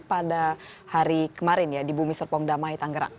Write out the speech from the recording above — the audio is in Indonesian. pada hari kemarin ya di bumi serpong damai tanggerang